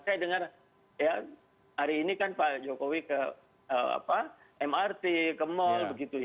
saya dengar ya hari ini kan pak jokowi ke mrt ke mall